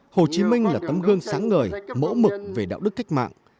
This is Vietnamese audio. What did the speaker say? hồ chí minh là tấm gương sáng ngời mẫu mực về đạo đức cách mạng